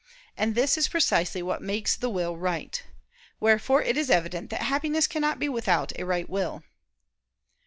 And this is precisely what makes the will right. Wherefore it is evident that Happiness cannot be without a right will.